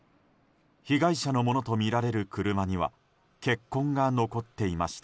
被害者のものとみられる車には血痕が残っていました。